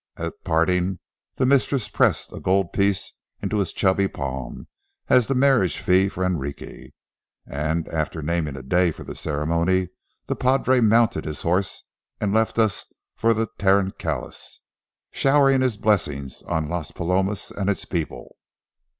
At parting, the mistress pressed a gold piece into his chubby palm as the marriage fee for Enrique; and, after naming a day for the ceremony, the padre mounted his horse and left us for the Tarancalous, showering his blessings on Las Palomas and its people.